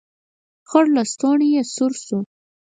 خړ لستوڼی يې سور شو.